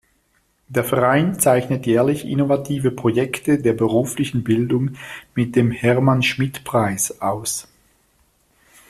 Der Verein zeichnet jährlich innovative Projekte der beruflichen Bildung mit dem „Hermann-Schmidt-Preis“ aus.